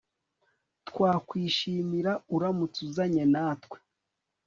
Twakwishimira uramutse uzanye natwe